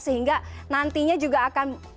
sehingga nantinya juga akan